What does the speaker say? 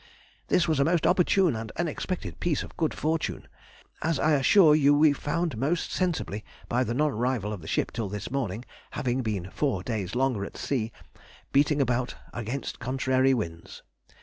This was a most opportune and unexpected piece of good fortune, as I assure you we found most sensibly, by the non arrival of the ship till this morning, having been four days longer at sea, beating about against contrary winds.